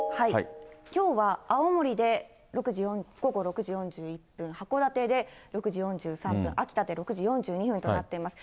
きょうは青森で午後６時４１分、函館で６時４３分、秋田で６時４２分となっています。